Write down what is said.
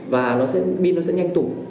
và pin nó sẽ nhanh tủ